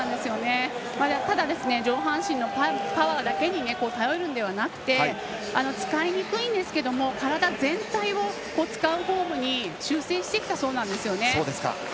ただ、上半身のパワーだけに頼るのではなくて使いにくいんですが体全体を使うフォームに修正してきたそうなんですよね。